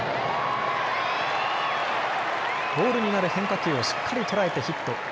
ボールになる変化球をしっかり捉えてヒット。